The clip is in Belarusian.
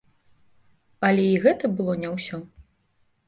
Але і гэта было не ўсё.